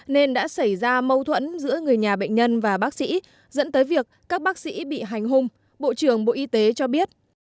nên đã xảy ra mâu thuẫn giữa người nhà bệnh nhân và bác sĩ dẫn tới việc các bác sĩ bị hành hung bộ trưởng bộ y tế cho biết